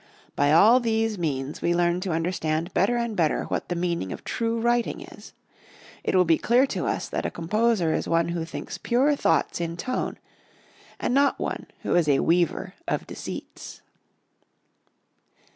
By all these means we learn to understand better and better what the meaning of true writing is. It will be clear to us that a composer is one who thinks pure thoughts in tone, and not one who is a weaver of deceits.